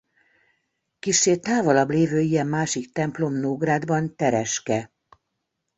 Kissé távolabb lévő ilyen másik templom Nógrádban Tereske.